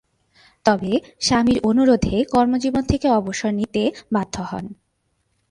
তবে, স্বামীর অনুরোধে কর্মজীবন থেকে অবসর নিতে বাধ্য হন।